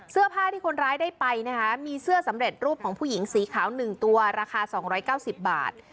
เสื้อผ้าที่คนร้ายได้ไปนะคะมีเสื้อสำเร็จรูปของผู้หญิงสีขาว๑ตัวราคา๒๙๐บาท